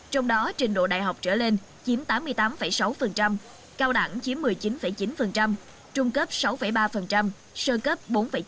trong đó trình độ đại học trở lên chiếm tám mươi tám sáu cao đẳng chiếm một mươi chín chín trung cấp sáu ba sơ cấp bốn chín